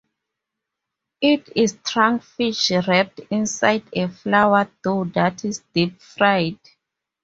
It is trunkfish wrapped inside a flour dough that is deep fried.